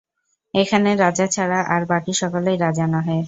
এখানে রাজা ছাড়া আর বাকী সকলেই রাজা নহে।